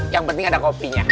yang penting ada kopinya